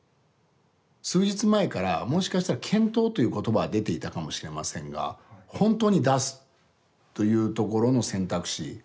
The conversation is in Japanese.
数日前からもしかしたら検討という言葉は出ていたかもしれませんが本当に出すというところの選択肢